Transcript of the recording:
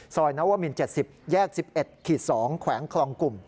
นวมิน๗๐แยก๑๑๒แขวงคลองกลุ่ม